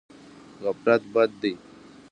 غفلت بد دی.